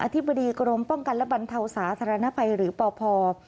ธิบดีกรมป้องกันและบรรเทาสาธารณภัยหรือปพ